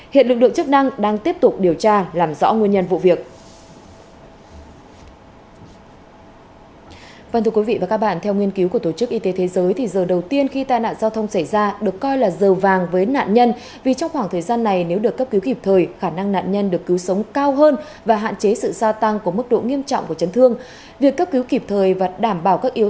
hiện lực lượng chức năng đang tiếp tục điều tra làm rõ nguyên nhân vụ việc